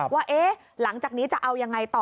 ว่าหลังจากนี้จะเอายังไงต่อ